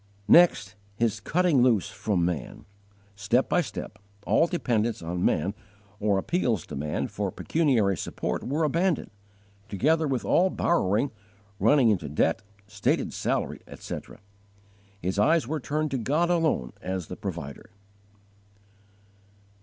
7. His cutting loose from man. Step by step, all dependence on man or appeals to man for pecuniary support were abandoned, together with all borrowing, running into debt, stated salary, etc. His eyes were turned to God alone as the Provider.